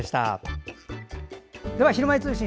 では「ひるまえ通信」